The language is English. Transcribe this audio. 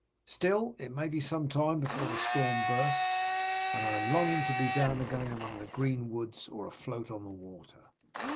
Still it may be some time before the storm bursts, and I am longing to be down again among the green woods or afloat on the water."